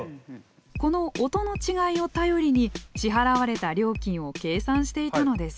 この音の違いを頼りに支払われた料金を計算していたのです。